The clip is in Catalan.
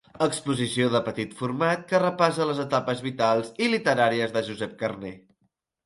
Exposició de petit format que repassa les etapes vitals i literàries de Josep Carner.